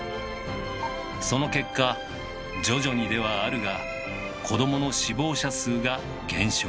その結果徐々にではあるが子どもの死亡者数が減少。